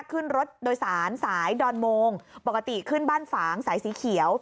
ขึ้นรถโดยสารสายดอนโมงปกติขึ้นบ้านฝางสายสีเขียว